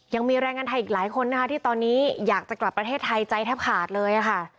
ยังมีแรงงานไทยอีกหลายคนนะคะที่ตอนนี้อยากจะกลับประเทศไทยใจแทบขาดเลยค่ะ